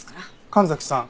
神崎さん。